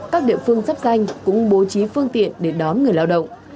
các địa phương dắp danh cũng bố trí phương tiện để đón người lao động